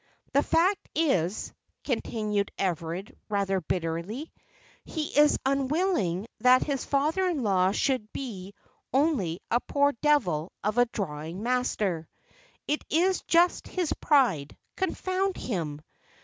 The fact is," continued Everard, rather bitterly, "he is unwilling that his father in law should be only a poor devil of a drawing master. It is just his pride, confound him!